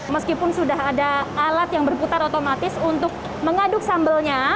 meskipun sudah ada alat yang berputar otomatis untuk mengaduk sambalnya